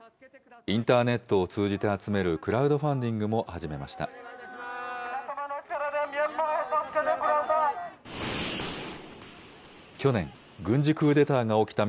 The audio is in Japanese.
インターネットを通じて集めるクラウドファンディングも始めました。